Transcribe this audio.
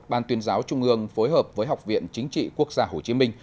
ban tuyên giáo trung ương phối hợp với học viện chính trị quốc gia hồ chí minh